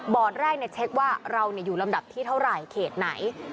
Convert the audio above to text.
แรกเช็คว่าเราอยู่ลำดับที่เท่าไหร่เขตไหน